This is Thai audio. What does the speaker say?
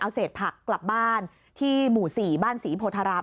เอาเศษผักกลับบ้านที่หมู่๔บ้านศรีโพธาราม